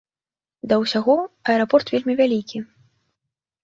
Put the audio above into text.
Да ўсяго, аэрапорт вельмі вялікі.